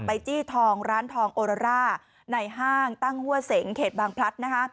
จี้ทองร้านทองโอโรร่าในห้างตั้งหัวเสงเขตบางพลัดนะคะ